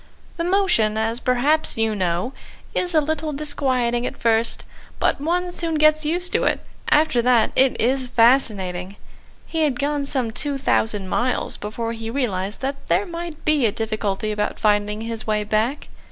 The motion, as perhaps you know, is a little disquieting at first, but one soon gets used to it. After that it is fascinating. He had gone some two thousand miles before he realised that there might be a difficulty about finding his way back.